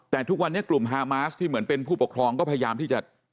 แต่ทุกวันนี้กลุ่มฮามาสที่เหมือนเป็นผู้ปกครองก็พยายามที่จะ